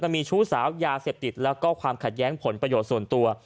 มีชู้สาวยาเสพติดแล้วก็ความขัดแย้งผลประโยชน์ส่วนตัว